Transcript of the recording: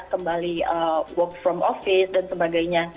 kembali bekerja dari pejabat dan sebagainya